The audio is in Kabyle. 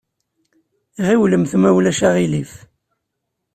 Ɣiwlemt ma ulac aɣilif!